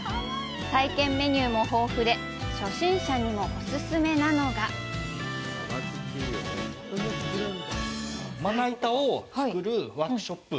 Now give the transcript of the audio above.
体験メニューも豊富で初心者にもお勧めなのがまな板を作るワークショップ